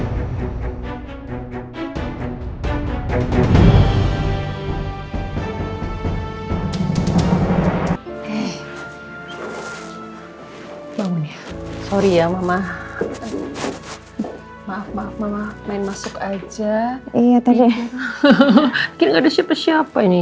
sorry ya mama maaf maaf mama main masuk aja iya tadi nggak ada siapa siapa ini